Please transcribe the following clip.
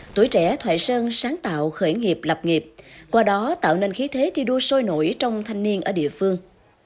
tuổi trẻ thoại sơn sáng tạo khởi nghiệp lập nghiệp qua đó tạo nên khí thế thi đua sôi nổi trong thanh niên ở địa phương